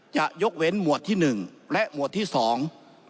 จะยกเว้นหมวดที่หนึ่งและหมวดที่สอง